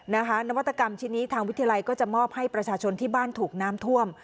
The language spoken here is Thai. นวัตกรรมชิ้นนี้ทางวิทยาลัยก็จะมอบให้ประชาชนที่บ้านถูกน้ำท่วม